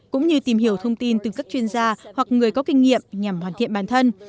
cũng như tìm hiểu thông tin từ các chuyên gia hoặc người có kinh nghiệm nhằm hoàn thiện bản thân